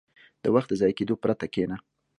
• د وخت د ضایع کېدو پرته کښېنه.